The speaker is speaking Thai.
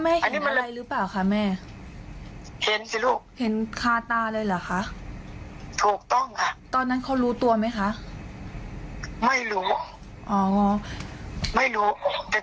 ไม่มีอะไรกับเขานานแล้วด้วยแต่นี่น้องออนมาโพสตามหลังน่ะอืม